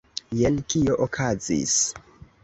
Jen kio okazis.